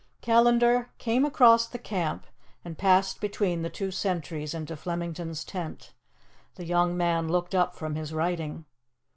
Callandar came across the camp and passed between the two sentries into Flemington's tent. The young man looked up from his writing.